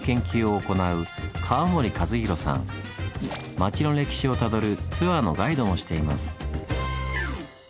町の歴史をたどるツアーのガイドもしています。